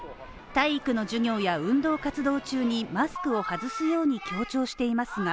体育の授業や運動活動中にマスクを外すように強調していますが